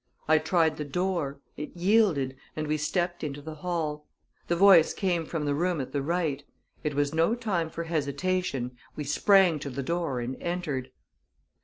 I tried the door; it yielded, and we stepped into the hall. The voice came from the room at the right. It was no time for hesitation we sprang to the door and entered.